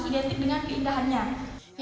identik dengan pindahannya